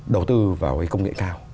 đầu tư vào công nghệ cao